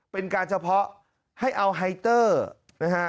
เป็นการเฉพาะให้เอาไฮเตอร์นะฮะ